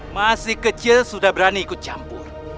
masih kecil sudah berani ikut campur